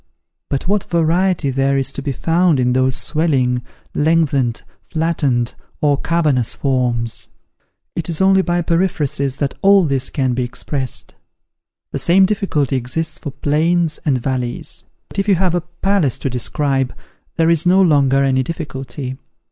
But what variety there is to be found in those swelling, lengthened, flattened, or cavernous forms! It is only by periphrasis that all this can be expressed. The same difficulty exists for plains and valleys. But if you have a palace to describe, there is no longer any difficulty.